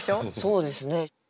そうですね。